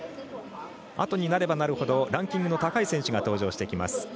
あとになればなるほどランキングの高い選手が登場してきます。